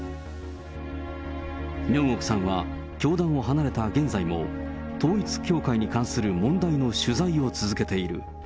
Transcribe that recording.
ミョンオクさんは教団を離れた現在も、統一教会に関する問題の取材を続けている。